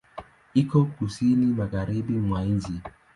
Iko Kusini magharibi mwa nchi.